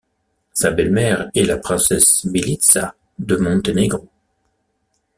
Sa belle-mère est la princesse Militza de Monténégro.